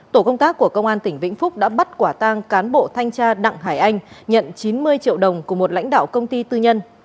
tổ công tác của công an tỉnh vĩnh phúc đã bắt quả tang cán bộ thanh tra đặng hải anh nhận chín mươi triệu đồng của một lãnh đạo công ty tư nhân